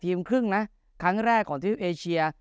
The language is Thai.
ครึ่งนะครั้งแรกของทวิปเอเชีย